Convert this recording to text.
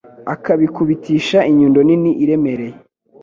akabikubitisha inyundo nini iremereye